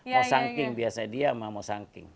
mau sangking biasanya dia sama mau sangking